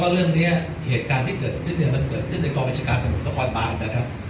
แล้วก็เรื่องเนี้ยเหตุการณ์ที่เกิดเรื่องเนี้ยมันเกิดขึ้นในกรบัญชาการสมุทธควรบ้านนะครับ